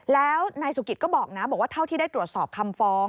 แล้วนายสุกิตก็บอกนะบอกว่าเท่าที่ได้ตรวจสอบคำฟ้อง